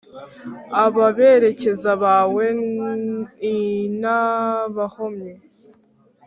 n aberekeza bawe l n abahomyi